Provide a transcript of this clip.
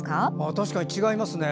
確かに違いますね。